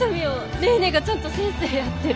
ネーネーがちゃんと先生やってる！